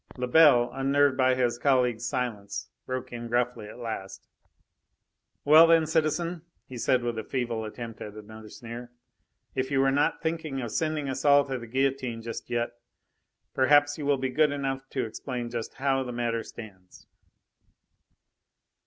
Lebel, unnerved by his colleague's silence, broke in gruffly at last: "Well then, citizen," he said, with a feeble attempt at another sneer, "if you are not thinking of sending us all to the guillotine just yet, perhaps you will be good enough to explain just how the matter stands?"